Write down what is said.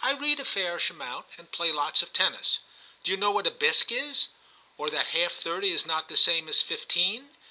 I read a fairish amount, and play 212 TIM CHAP. lots of tennis. Do you know what a bisque is? or that half thirty is not the same as fifteen